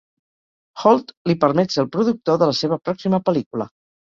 Hold li permet ser el productor de la seva pròxima pel·lícula.